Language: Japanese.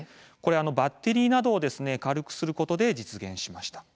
バッテリーなどを軽くすることで実現しました。